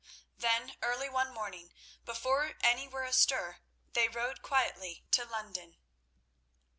Then early one morning, before any were astir, they rode quietly away to London.